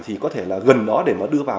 thì có thể là gần đó để mà đưa vào